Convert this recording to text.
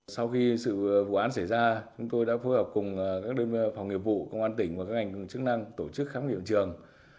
sau khi sự vụ án xảy ra chúng tôi đã phối hợp cùng các đơn phòng nghiệp vụ công an tỉnh và các ngành chức năng tổ chức khám nghiệm trường